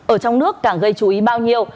ở trong nước càng gây chú ý bao nhiêu